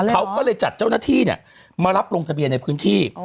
เขาก็เลยจัดเจ้าหน้าที่มารับลงทะเบียนในพื้นที่